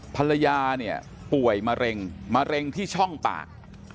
ภรรยาเนี่ยป่วยมะเร็งมะเร็งที่ช่องปาก